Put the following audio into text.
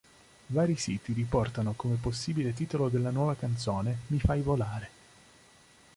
Vari siti riportano, come possibile titolo della nuova canzone, "Mi fai volare".